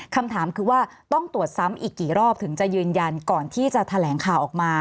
คำถามคือว่าต้องตรวจซ้ำอีกกี่รอบถึงจะยืนยันก่อนที่จะแถลงข่าวออกมา